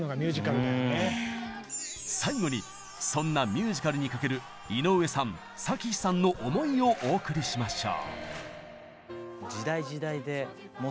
最後にそんなミュージカルにかける井上さん咲妃さんの思いをお送りしましょう。